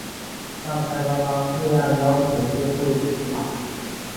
但开发商未按要求修复祠堂。